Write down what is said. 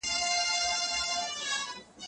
زه اوس کالي وچوم